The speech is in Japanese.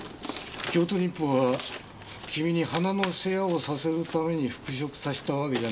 京都日報は君に花の世話をさせるために復職させたわけじゃないんだよ。